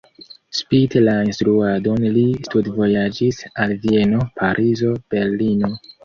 Spite la instruadon li studvojaĝis al Vieno, Parizo, Berlino.